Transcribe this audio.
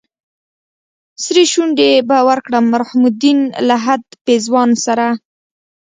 سرې شونډې به ورکړم رحم الدين لهد پېزوان سره